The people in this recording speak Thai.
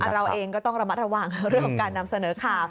เราเองก็ต้องระมัดระวังเรื่องของการนำเสนอข่าว